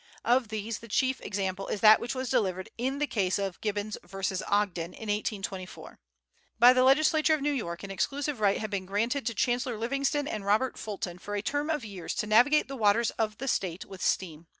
Of these the chief example is that which was delivered in the case of Gibbons v. Ogden, in 1824. By the Legislature of New York an exclusive right had been granted to Chancellor Livingston and Robert Fulton for a term of years to navigate the waters of the State with steam.